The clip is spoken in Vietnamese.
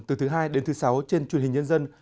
từ thứ hai đến thứ sáu trên truyền hình nhân dân